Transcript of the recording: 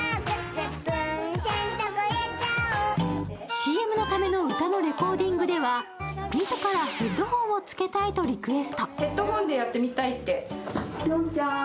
ＣＭのための歌のレコーディングでは自らヘッドホンをつけたいとリクエスト。